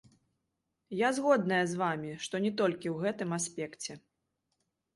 Я згодная з вамі, што не толькі ў гэтым аспекце.